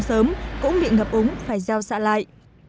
sớm cũng bị ngập úng phải giao xạ lại